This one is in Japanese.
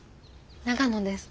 長野です。